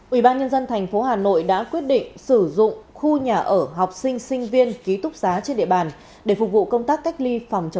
ủy ban nhân dân tp hà nội đã quyết định sử dụng khu nhà ở học sinh sinh viên ký túc giá trên địa bàn để phục vụ công ty